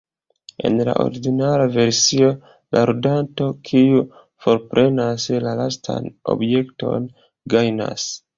En la ordinara versio la ludanto kiu forprenas la lastan objekton gajnas.